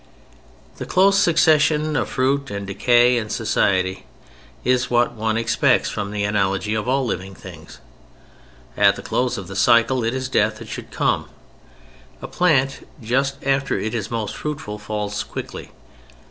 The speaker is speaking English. The close succession of fruit and decay in society is what one expects from the analogy of all living things: at the close of the cycle it is death that should come. A plant, just after it is most fruitful, falls quickly.